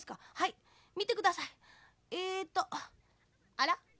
「あら？